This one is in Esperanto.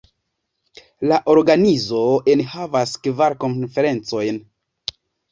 La organizo enhavas kvar konferencojn.